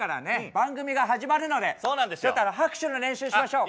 番組が始まるのでちょっと拍手の練習しましょう。